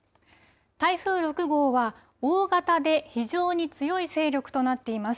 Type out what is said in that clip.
台風６号は大型で非常に強い勢力となっています。